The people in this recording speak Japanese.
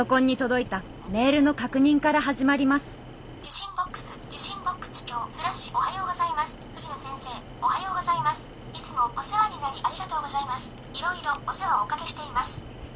いろいろお世話をおかけしています」。